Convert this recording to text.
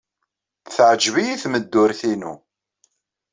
Teɛjeb-iyi tmeddurt-inu.